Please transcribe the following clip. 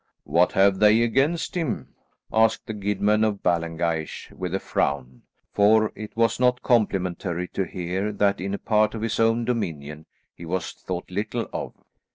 "What have they against him?" asked the Guidman of Ballengeich with a frown, for it was not complimentary to hear that in a part of his own dominion he was thought little of.